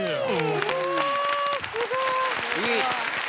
うわすごい！